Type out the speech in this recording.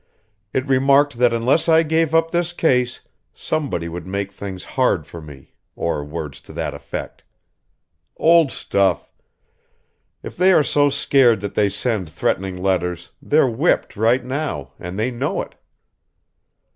It remarked that unless I gave up this case, somebody would make things hard for me, or words to that effect. Old stuff! If they are so scared that they send threatening letters, they're whipped right now and they know it!"